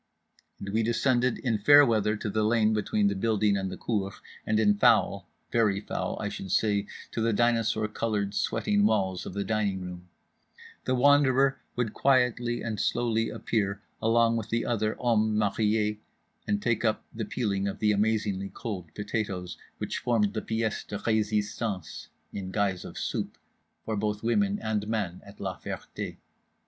_" and we descended, in fair weather, to the lane between the building and the cour, and in foul (very foul I should say) the dynosaur coloured sweating walls of the dining room—The Wanderer would quietly and slowly appear, along with the other hommes mariés, and take up the peeling of the amazingly cold potatoes which formed the pièce de résistance (in guise of Soupe) for both women and men at La Ferté.